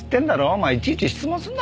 お前いちいち質問するな！